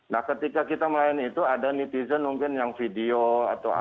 nah ketika kita melayani itu ada netizen mungkin yang video atau apa